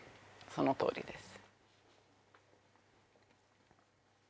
そのとおりです